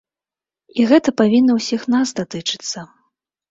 І гэта павінна ўсіх нас датычыцца.